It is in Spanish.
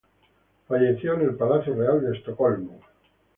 Falleció en el Palacio Real de Estocolmo.